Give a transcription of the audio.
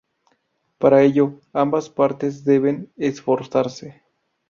Para ello, ambas partes deben esforzarse.